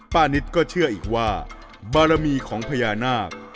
นิดก็เชื่ออีกว่าบารมีของพญานาค